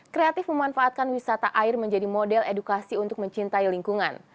kreatif memanfaatkan wisata air menjadi model edukasi untuk mencintai lingkungan